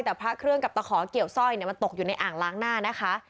แต่พระเครื่องกับตะขอเกี่ยวสร้อยมันตกอยู่ในอ่างล้างหน้านะคะ